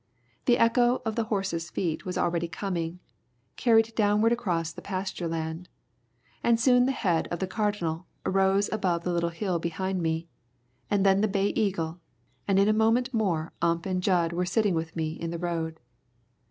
The echo of the horses' feet was already coming, carried downward across the pasture land, and soon the head of the Cardinal arose above the little hill behind me, and then the Bay Eagle, and in a moment more Ump and Jud were sitting with me in the road.